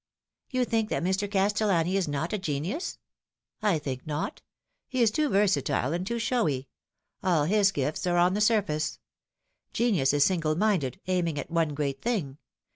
" You think that Mr. Castellani is not a genius ?"" I think not. He is too versatile and too showy. All his N 194 The Fatal Three. gifts are on the surface. Genius is single minded, aiming at one great thing.